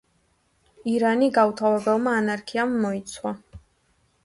ირანი გაუთავებელმა ანარქიამ მოიცვა.